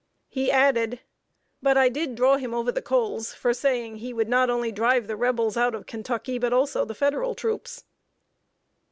He added: "But I did draw him over the coals for saying he would not only drive the Rebels out of Kentucky, but also the Federal troops."